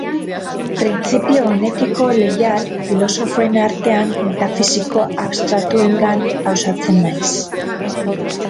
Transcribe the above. Printzipio honekiko leial, filosofoen artean metafisiko abstraktuengan pausatzen naiz.